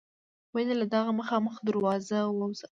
ویل یې له دغه مخامخ دروازه ووځه.